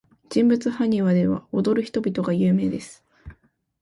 人物埴輪では、踊る人々が有名です。